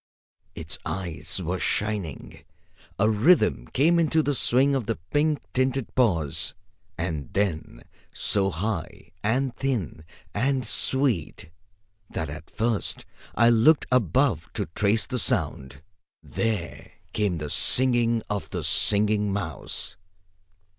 Its eyes were shining.... A rhythm came into the swing of the pink tinted paws. And then, so high and thin and sweet that at first I looked above to trace the sound, there came the singing of the Singing Mouse....